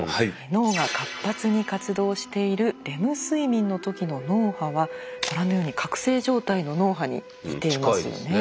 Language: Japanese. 脳が活発に活動しているレム睡眠の時の脳波はご覧のように覚醒状態の脳波に似ていますよね。